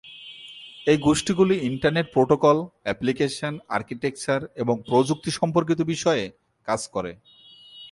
এই গোষ্ঠীগুলি internet protocol, application, architecture এবং প্রযুক্তি সম্পর্কিত বিষয়ে কাজ করে।